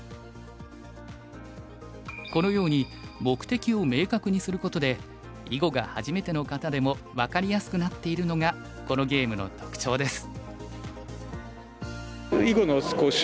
このように目的を明確にすることで囲碁が初めての方でも分かりやすくなっているのがこのゲームの特徴です。